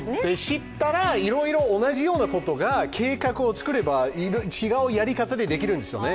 知ったら、いろいろ同じようなことが計画を作れば違うやり方でできるんですよね。